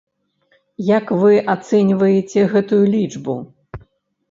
Як вы ацэньваеце гэтую лічбу?